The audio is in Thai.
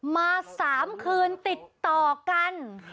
มา๓คืนติดต่อกัน